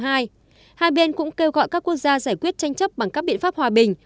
hai bên cũng kêu gọi các quốc gia giải quyết tranh chấp bằng các biện pháp hòa bình